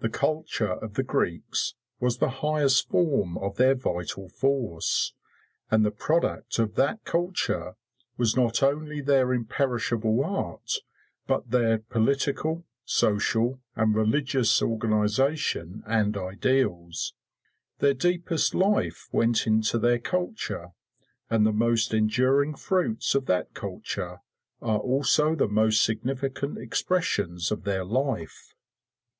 The culture of the Greeks was the highest form of their vital force; and the product of that culture was not only their imperishable art, but their political, social, and religious organisation and ideals. Their deepest life went into their culture, and the most enduring fruits of that culture are also the most significant expressions of their life.